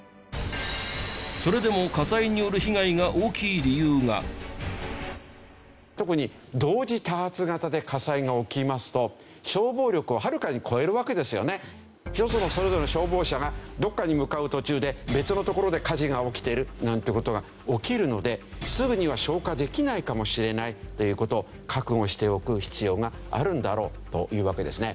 それでも特に同時多発型で火災が起きますとよそのそれぞれの消防車がどこかに向かう途中で別の所で火事が起きているなんていう事が起きるのですぐには消火できないかもしれないという事を覚悟しておく必要があるんだろうというわけですね。